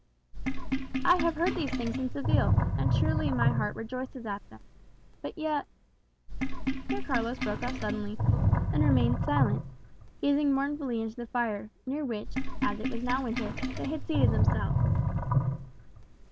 "I have heard these things in Seville, and truly my heart rejoices at them. But yet " here Carlos broke off suddenly, and remained silent, gazing mournfully into the fire, near which, as it was now winter, they had seated themselves.